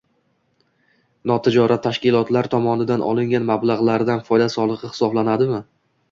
Notijorat tashkilotlar tomonidan olingan mablag‘lardan foyda solig‘i hisoblanadimi?